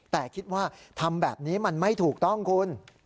แต่คิดว่าทำแบบนี้มันไม่ถูกต้องคุณ